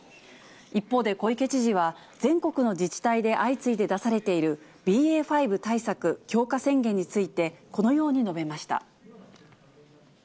一方で小池知事は、全国の自治体で相次いで出されているＢＡ．５対策強化宣言について、このように述べました。